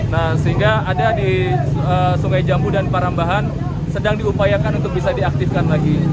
nah sehingga ada di sungai jambu dan parambahan sedang diupayakan untuk bisa diaktifkan lagi